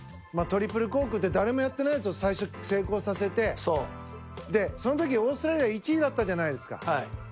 トリプルコークって誰もやってないやつを最初、成功させてその時、オーストラリア１位だったじゃないですか。